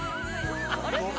あれ？